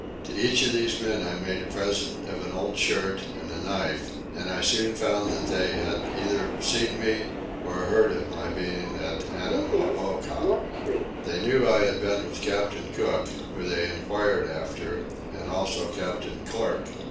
To each of these men I made a present of an old shirt and a knife, and I soon found they either had seen me or had heard of my being at Annamooka. They knew I had been with captain Cook, who they inquired after, and also captain Clerk.